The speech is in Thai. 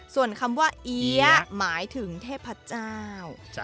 ส่วนคำว่าเอี๊ยะหมายถึงเทพเจ้า